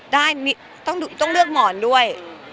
ได้ต้องเลือกหมอนด้วย